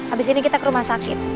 abis ini kita ke rumah sakit